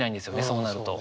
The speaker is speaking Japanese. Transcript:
そうなると。